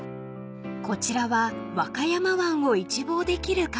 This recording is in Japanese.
［こちらは和歌山湾を一望できるカフェ］